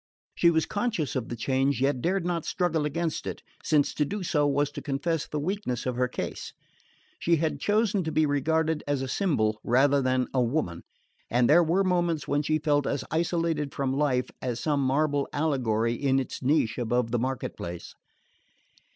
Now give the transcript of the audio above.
She was conscious of the change, yet dared not struggle against it, since to do so was to confess the weakness of her case. She had chosen to be regarded as a symbol rather than a woman, and there were moments when she felt as isolated from life as some marble allegory in its niche above the market place.